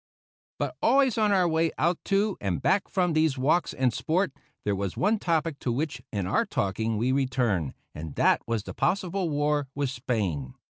But always on our way out to and back from these walks and sport, there was one topic to which, in our talking, we returned, and that was the possible war with Spain.